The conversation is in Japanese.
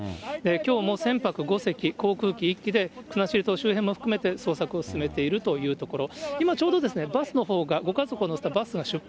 きょうも船舶５隻、航空機１機で、国後島周辺も含めて捜索を進めているというところです。